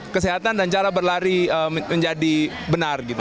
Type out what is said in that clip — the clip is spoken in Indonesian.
kesehatan dan cara berlari menjadi benar gitu